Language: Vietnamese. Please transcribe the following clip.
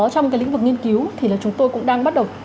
trong cái lĩnh vực nghiên cứu thì là chúng tôi cũng đang bắt đầu